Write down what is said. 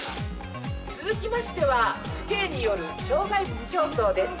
続きましては父兄による障害物競走です。